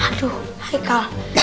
aduh hai kal